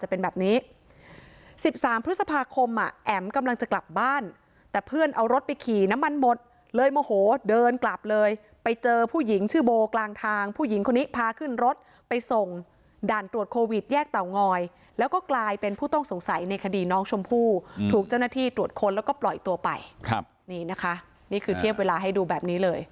เป็นแบบนี้๑๓พฤษภาคมแอ๋มกำลังจะกลับบ้านแต่เพื่อนเอารถไปขี่น้ำมันหมดเลยโมโหเดินกลับเลยไปเจอผู้หญิงชื่อโบกลางทางผู้หญิงคนนี้พาขึ้นรถไปส่งด่านตรวจโควิดแยกเตางอยแล้วก็กลายเป็นผู้ต้องสงสัยในคดีน้องชมพู่ถูกเจ้าหน้าที่ตรวจค้นแล้วก็ปล่อยตัวไปครับนี่นะคะนี่คือเทียบเวลาให้ดูแบบนี้เลย